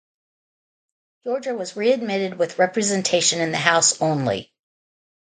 Georgia was readmitted with representation in the House only.